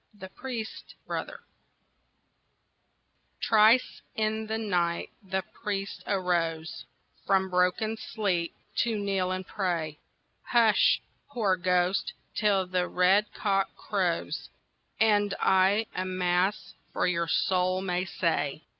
THE PRIEST'S BROTHER Thrice in the night the priest arose From broken sleep to kneel and pray. "Hush, poor ghost, till the red cock crows, And I a Mass for your soul may say."